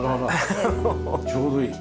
ちょうどいい。